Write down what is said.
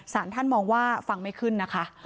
สารท่านมองว่าฟังไม่ขึ้นนะคะ